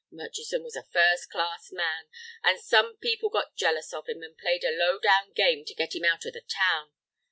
Murchison was a first class man, and some people got jealous of him, and played a low down game to get him out of the town.